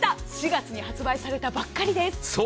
４月に発売されたばっかりです。